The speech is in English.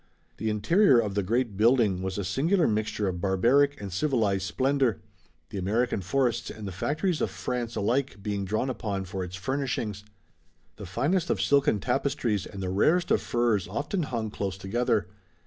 The interior of the great building was a singular mixture of barbaric and civilized splendor, the American forests and the factories of France alike being drawn upon for its furnishings. The finest of silken tapestries and the rarest of furs often hung close together.